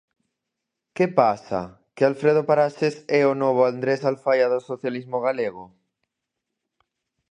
¿Que pasa?, ¿que Alfredo Paraxes é o novo Andrés Alfaia do socialismo galego?